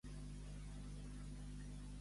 Per Sant Francesc, agafa els tords amb vesc.